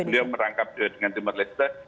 beliau merangkap dia dengan timur leste